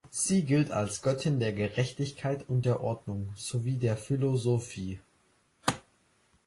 Sie gilt als Göttin der Gerechtigkeit und der Ordnung sowie der Philosophie.